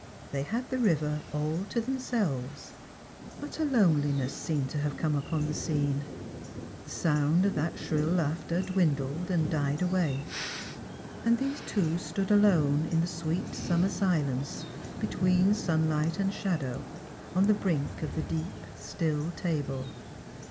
They had the river all to themselves. Utter loneliness secnied to have come upon the scene. The sound of that shrill laughter dwindled and died away, and these two stood alone in the Bweet summer silence, between sunlight and shadow, on the brink of deep still Tabor.